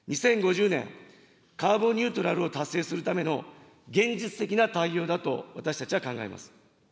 ２０５０年、カーボンニュートラルを達成するための現実的な対応だと、私たちは考えます。